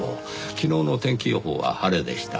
昨日の天気予報は晴れでした。